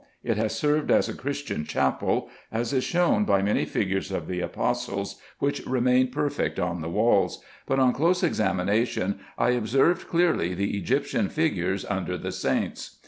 It has served as a christian chapel, as is shown by many figures of the apostles which remain perfect on the walls ; but on close examination I observed clearly the Egyptian figures under the saints.